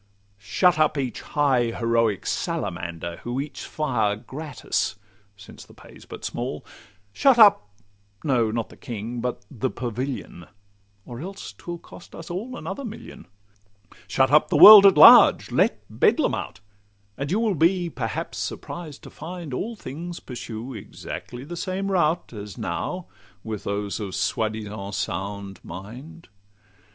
Shut up each high heroic salamander, Who eats fire gratis (since the pay 's but small); Shut up—no, not the King, but the Pavilion, Or else 'twill cost us all another million. Shut up the world at large, let Bedlam out; And you will be perhaps surprised to find All things pursue exactly the same route, As now with those of soi disant sound mind.